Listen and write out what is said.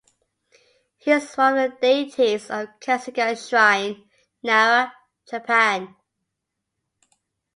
He is one of the deities of Kasuga Shrine, Nara, Japan.